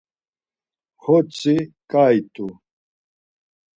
Xortsi ǩai t̆u.